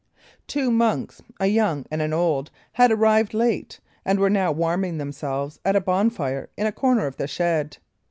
Two monks a young and an old had arrived late, and were now warming themselves at a bonfire in a corner of the shed.